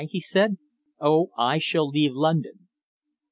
he said. "Oh, I shall leave London."